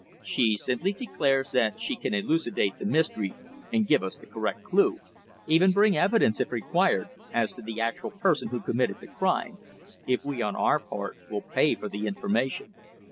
"She simply declares that she can elucidate the mystery and give us the correct clue even bring evidence if required as to the actual person who committed the crime, if we, on our part, will pay for the information."